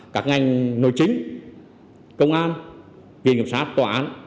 các ngành nội chính công an viên nghiệp sát tòa án